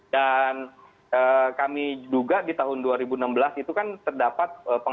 dan kami juga di tahun dua ribu enam belas itu kan terdapat penghargaan